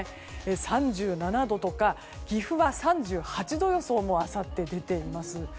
３７度とか岐阜は３８度予想もあさって出ています。